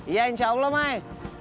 iya insya allah mai